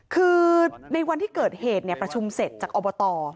คือในวันที่เกิดเหตุประชุมเสร็จจากอบต